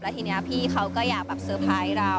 ทีนี้พี่เขาก็อยากแบบเซอร์ไพรส์เรา